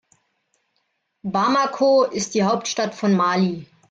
Bamako ist die Hauptstadt von Mali.